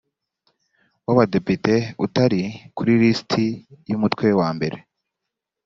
w abadepite utari kuri lisiti y umutwe wambere